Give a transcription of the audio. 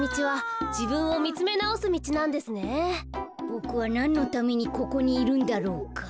ボクはなんのためにここにいるんだろうか。